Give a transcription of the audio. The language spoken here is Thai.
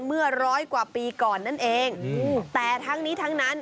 เมื่อร้อยกว่าปีก่อนนั่นเองแต่ทั้งนี้ทั้งนั้น